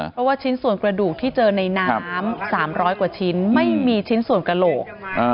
เพราะว่าชิ้นส่วนกระดูกที่เจอในน้ำ๓๐๐กว่าชิ้นไม่มีชิ้นส่วนกระโหลก